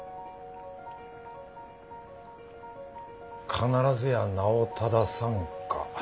「必ずや名を正さんか」。